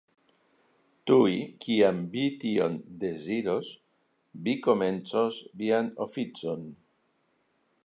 Tuj kiam vi tion deziros, vi komencos vian oficon.